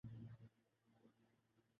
Doctors کی ہڑتال "young doctors "ناراض ہیں۔